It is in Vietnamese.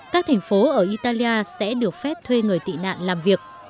các thành phố ở italia sẽ được phép thuê người tị nạn làm việc